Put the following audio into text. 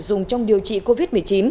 dùng trong điều trị covid một mươi chín